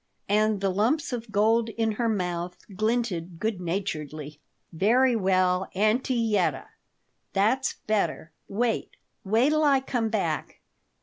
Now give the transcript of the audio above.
And the lumps of gold in her mouth glinted good naturedly "Very well. Auntie Yetta." "That's better. Wait! Wait'll I come back."